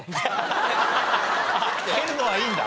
蹴るのはいいんだ。